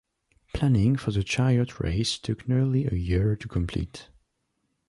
Planning for the chariot race took nearly a year to complete.